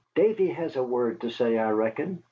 "Davy has a word to say, I reckon.